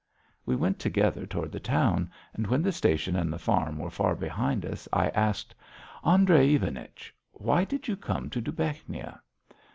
We went together toward the town, and when the station and the farm were far behind us, I asked: "Andrey Ivanich, why did you come to Dubechnia?"